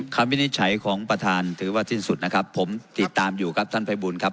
วินิจฉัยของประธานถือว่าสิ้นสุดนะครับผมติดตามอยู่ครับท่านภัยบูลครับ